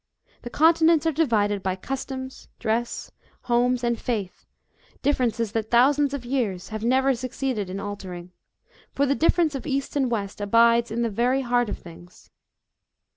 The continents are divided by customs, dress, homes, and faith differences that thousands of years have never suc ceeded in altering ; for the difference of East and West abides in the very heart of things.